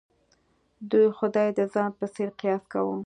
دوی خدای د ځان په څېر قیاس کاوه.